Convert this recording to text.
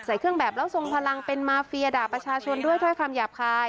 เครื่องแบบแล้วทรงพลังเป็นมาเฟียด่าประชาชนด้วยถ้อยคำหยาบคาย